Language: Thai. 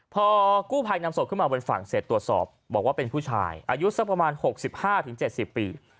พอกู้ภัยนำสดขึ้นมาบนฝั่งเสร็จตรวจสอบบอกว่าเป็นผู้ชายอายุสักประมาณหกสิบห้าถึงเจ็ดสิบปี